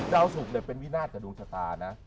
สุกเป็นวินาศกับดวงชะตานะ